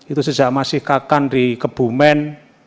itu sejak masih kakan di kebumen